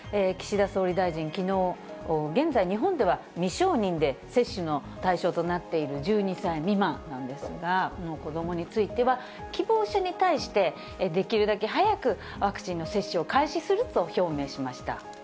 岸田総理大臣、きのう、現在、日本では未承認で、接種の対象となっている１２歳未満なんですが、の子どもについては、希望者に対して、できるだけ早くワクチンの接種を開始すると表明しました。